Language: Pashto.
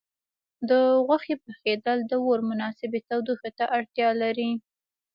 د غوښې پخېدل د اور مناسبې تودوخې ته اړتیا لري.